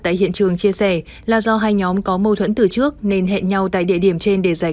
tại hiện trường chia sẻ là do hai nhóm có mâu thuẫn từ trước nên hẹn nhau tại địa điểm trên để giải